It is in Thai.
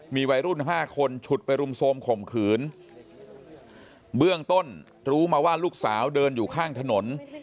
มีวัยรุ่นห้าคนฉุดไปรุมโทรมข่มขืนเบื้องต้นรู้มาว่าลูกสาวเดินอยู่ข้างถนน